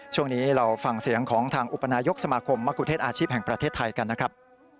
ช่วงนี้เราฟังเสียงของทางอุปนายกสมาคมมะกุเทศอาชีพแห่งประเทศไทยกันนะครับ